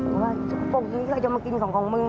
บอกว่าทุกปกตินี้ก็จะมากินของมึง